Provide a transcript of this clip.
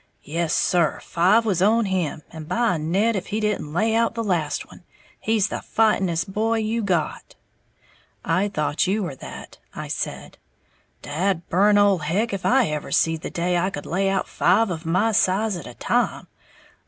Yes, sir, five was on him, and by Ned if he didn't lay out the last one. He's the fightingest boy you got!" "I thought you were that," I said. "Dad burn ole Heck if ever I seed the day I could lay out five of my size at a time!